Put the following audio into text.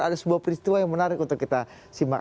ada sebuah peristiwa yang menarik untuk kita simak